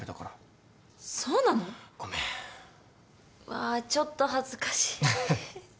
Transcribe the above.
わぁちょっと恥ずかしい。